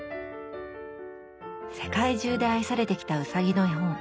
世界中で愛されてきたうさぎの絵本。